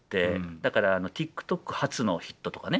だからＴｉｋＴｏｋ発のヒットとかね